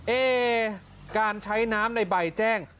เอ๊การใช้น้ำในใบแจ้ง